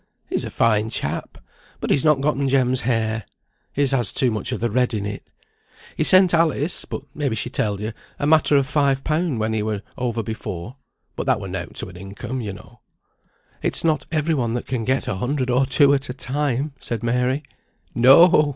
He's a fine chap, but he's not gotten Jem's hair. His has too much o' the red in it. He sent Alice (but, maybe, she telled you) a matter o' five pound when he were over before; but that were nought to an income, yo know." "It's not every one that can get a hundred or two at a time," said Mary. "No!